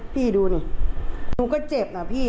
พี่ดูดิหนูก็เจ็บนะพี่